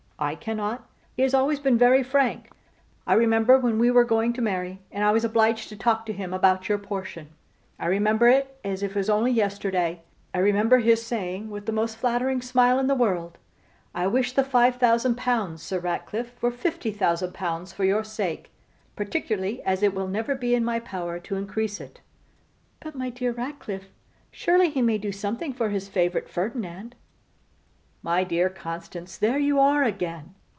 I cannot. He has always been very frank. I remember when we were going to marry, and I was obliged to talk to him about your portion; I remember it as if it were only yesterday; I remember his saying, with the most flattering smile in the world, "I wish the 5,000L., Sir Ratcliffe, were 50,000L., for your sake; particularly as it will never be in my power to increase it."' 'But, my dear Ratcliffe, surely he may do something for his favourite, Ferdinand?' 'My dear Constance, there you are again!